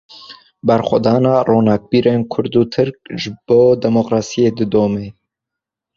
Berxwedana ronakbîrên Kurd û Tirk, ji bo demokrasiyê didome